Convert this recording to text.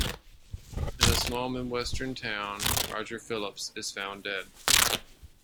In a small Midwestern town, Roger Phillips is found dead.